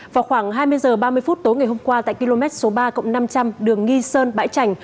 vào khoảng hai mươi h ba mươi phút tối ngày hôm qua tại km số ba năm trăm linh đường nghi sơn bãi trành